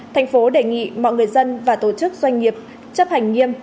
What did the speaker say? tp đề nghị mọi người dân và tổ chức doanh nghiệp chấp hành nghiêm